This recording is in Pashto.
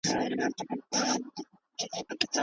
موږ باید له تېروتنو زده کړه وکړو.